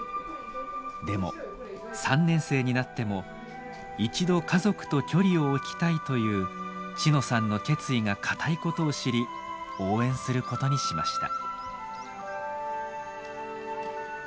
でも３年生になっても一度家族と距離を置きたいという千乃さんの決意が固いことを知り応援することにしました。